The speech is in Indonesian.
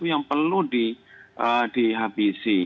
tapi yang perlu dihabisi